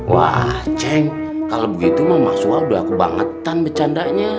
wah ceng kalo begitu emang maksudnya udah aku bangetan becandanya